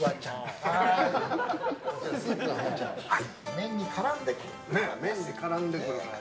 麺に絡んでくるから。